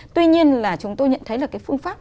tuy nhiên là chúng tôi nhận thấy là cái phương pháp